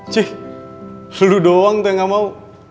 cek lo doang tuh yang gak mau